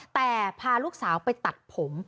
แต่พาลูกสาวไปตัดผม